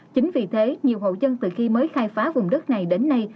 chính vì thế nhiều hộ dân từ khi mới khai phá vùng đất này đến nay